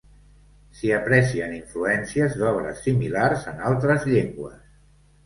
S'hi aprecien influències d'obres similars en altres llengües.